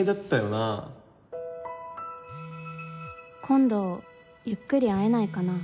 「今度ゆっくり会えないかな？」